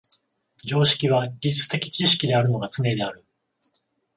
常識は技術的知識であるのがつねである。